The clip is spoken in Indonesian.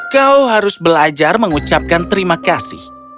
kau harus belajar mengucapkan terima kasih